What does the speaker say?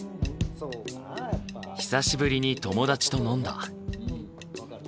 久しぶりに友達と飲んだ。